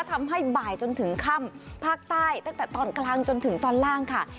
ทำให้บ่ายจนถึงค่ำภาคใต้ตั้งแต่ตอนกลางจนถึงตอนล่างค่ะ